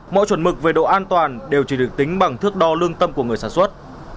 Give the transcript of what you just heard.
mọi chuẩn mực về độ an toàn đều chỉ được tính bằng thước đo lương tâm của người sản xuất